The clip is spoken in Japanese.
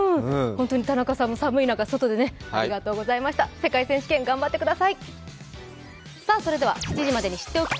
田中さん、寒い中、外でありがとうございました。